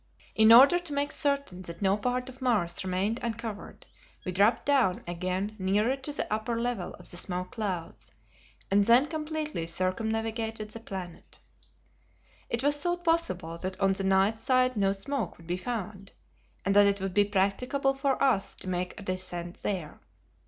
In order to make certain that no part of Mars remained uncovered, we dropped down again nearer to the upper level of the smoke clouds, and then completely circumnavigated the planet. It was thought possible that on the night side no smoke would be found and that it would be practicable for us to make a descent there.